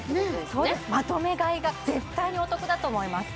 そうですまとめ買いが絶対にお得だと思います